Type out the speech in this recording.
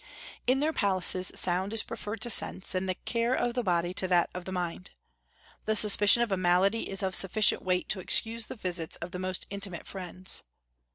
In their palaces sound is preferred to sense, and the care of the body to that of the mind. The suspicion of a malady is of sufficient weight to excuse the visits of the most intimate friends.